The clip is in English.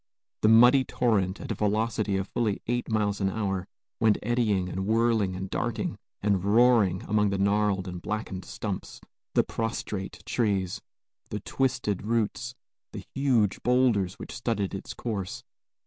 The muddy torrent, at a velocity of fully eight miles an hour, went eddying and whirling and darting and roaring among the gnarled and blackened stumps, the prostrate trees, the twisted roots, the huge bowlders which studded its course.